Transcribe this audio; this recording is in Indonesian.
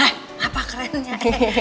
hah apa kerennya